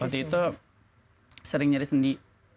waktu itu sering nyari sendi